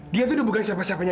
dia itu udah bukan siapa siapanya